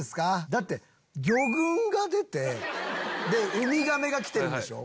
だって魚群が出てウミガメが来てるんでしょ？